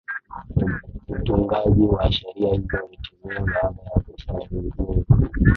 utungaji wa sheria hizo ulitimia baada ya kusainiwa